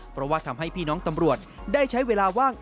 เพราะว่าทำให้พี่น้องตำรวจได้ใช้เวลาว่าง